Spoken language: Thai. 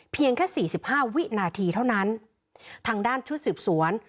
เพียงแค่สี่สิบห้าวินาทีเท่านั้นทางด้านชุดสืบสวน